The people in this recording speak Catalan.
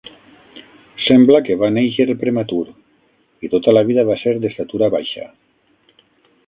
Sembla que va néixer prematur i tota la vida va ser d'estatura baixa.